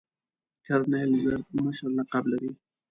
کرنیل زر مشر لقب لري.